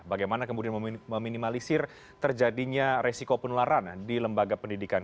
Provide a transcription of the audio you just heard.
bagaimana kemudian meminimalisir terjadinya resiko penularan di lembaga pendidikan